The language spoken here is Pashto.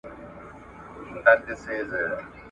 که خدای فارغ کړاست له مُلایانو ,